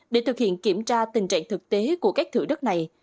để thực hiện kiểm tra tình trạng thực tế của các thử đất này